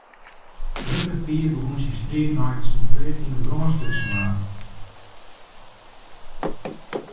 Grutte Pier begûn syn striid nei't syn pleats yn 'e brân stutsen waard.